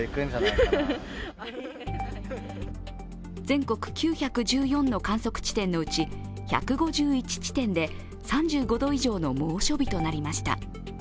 全国９１４の観測地点のうち１５１地点で３５度以上の猛暑日となりました。